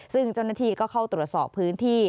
ซึ่งเจ้าหน้าที่ก็เข้าตรวจสอบพื้นที่